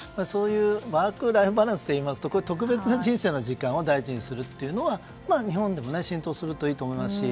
ワークライフバランスでいいますと特別な人生の時間を大事にするというのが日本でも浸透するといいと思いますし。